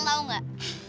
kamu tau gak